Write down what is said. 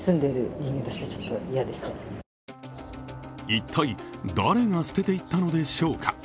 一体、誰が捨てていったのでしょうか。